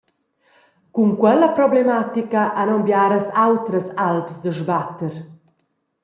«Cun quella problematica han aunc biaras autras alps da sbatter.»